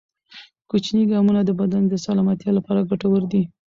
کوچني ګامونه د بدن د سلامتیا لپاره ګټور دي.